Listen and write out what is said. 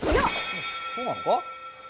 そうなのか？